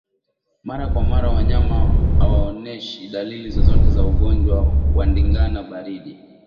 Mara kwa mara wanyama hawaoneshi dalili zozote za ugonjwa wa ndigana baridi